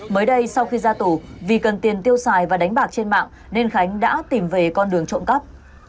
mới đây sau khi ra tù vì cần tiền tiêu xài và đánh bạc trên mạng nên khánh đã tìm về con đường trộm cắp